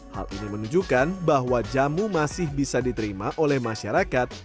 hal ini menunjukkan bahwa jamu masih bisa diterima oleh masyarakat